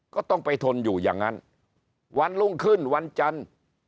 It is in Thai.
ก็ต้องไปทนอยู่อย่างนั้นวันรุ่งขึ้นวันจันทร์